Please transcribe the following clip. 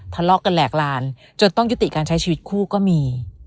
ทะเลาะกันแหลกลานจนต้องยุติการใช้ชีวิตคู่ก็มี